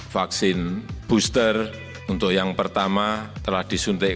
vaksin booster untuk yang pertama telah disuntik